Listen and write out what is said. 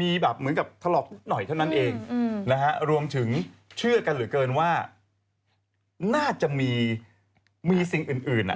มีแบบเหมือนกับถลอกนิดหน่อยเท่านั้นเองนะฮะรวมถึงเชื่อกันเหลือเกินว่าน่าจะมีสิ่งอื่น